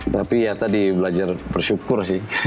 tapi ya tadi belajar bersyukur sih